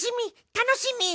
たのしみ！